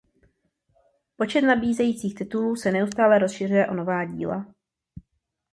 Počet nabízených titulů se neustále rozšiřuje o nová díla.